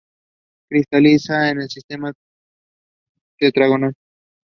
The tough but gullible Charley is ignorant enough to believe her.